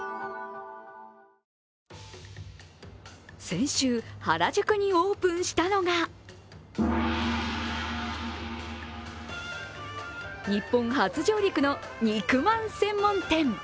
先週、原宿にオープンしたのが日本初上陸の肉まん専門店。